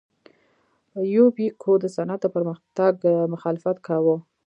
یوبیکو د صنعت د پرمختګ مخالفت کاوه.